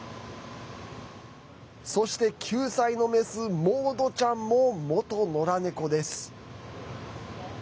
そして９歳のメスモードちゃんも元のら猫です。